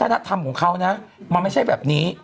ธรรมของเขานะมันไม่ใช่แบบนี้